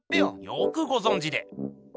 よくごぞんじで。